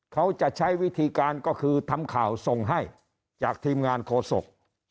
เขาจะใช้วิธีการก็คือทำข่าวส่งให้จากทีมงานโฆษก